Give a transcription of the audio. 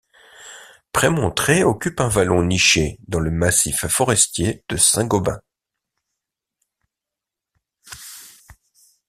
Prémontré occupe un vallon niché dans le massif forestier de Saint-Gobain.